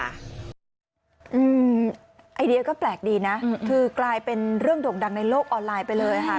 อืมไอเดียก็แปลกดีนะคือกลายเป็นเรื่องโด่งดังในโลกออนไลน์ไปเลยค่ะ